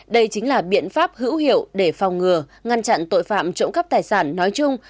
đây chính là biện pháp hữu hiệu để phòng ngừa ngăn chặn tội phạm trộm cắp tài sản nói chung